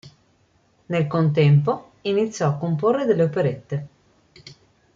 Nel contempo iniziò a comporre delle operette.